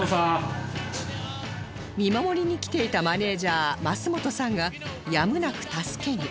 見守りに来ていたマネージャー増本さんがやむなく助けに